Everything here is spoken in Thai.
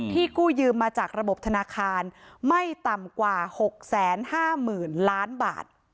กู้ยืมมาจากระบบธนาคารไม่ต่ำกว่า๖๕๐๐๐ล้านบาท